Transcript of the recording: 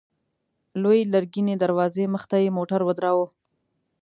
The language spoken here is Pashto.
لويې لرګينې دروازې مخته يې موټر ودراوه.